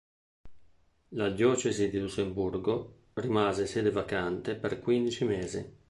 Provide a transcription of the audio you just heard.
La diocesi di Lussemburgo rimase "sede vacante" per quindici mesi.